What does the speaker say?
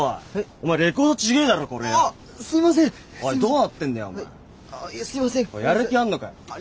お前やる気あんのかよ！